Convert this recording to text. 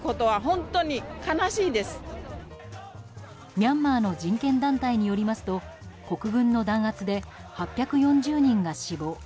ミャンマーの人権団体によりますと国軍の弾圧で８４０人が死亡。